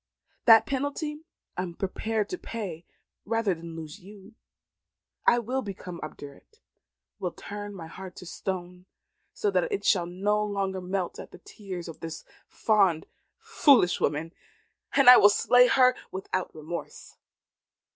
That penalty I am prepared to pay rather than lose you. I will become obdurate, will turn my heart to stone, so that it shall no more melt at the tears of this fond, foolish woman; and I will slay her without remorse.